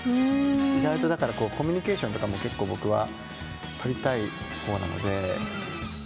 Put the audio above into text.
意外とコミュニケーションとかも結構、僕はとりたいほうなので。